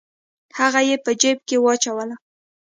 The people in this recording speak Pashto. هغه یې په جیب کې واچوله.